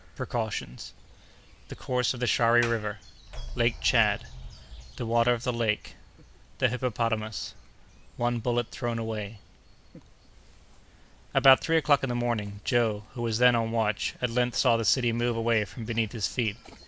—Precautions.—The Course of the Shari River.—Lake Tchad.—The Water of the Lake.—The Hippopotamus.—One Bullet thrown away. About three o'clock in the morning, Joe, who was then on watch, at length saw the city move away from beneath his feet.